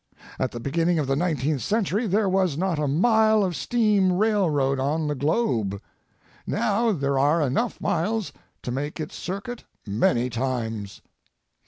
At the beginning of the nineteenth century there was not a mile of steam railroad on the globe. Now there are enough miles to make its circuit many times.